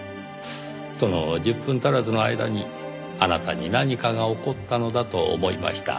その１０分足らずの間にあなたに何かが起こったのだと思いました。